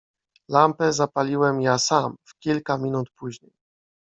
"Lampę zapaliłem ja sam w kilka minut później."